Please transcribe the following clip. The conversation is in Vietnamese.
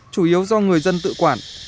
chủ yếu do người dân tự quản